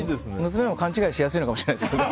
娘も勘違いしやすいのかもしれないですけど。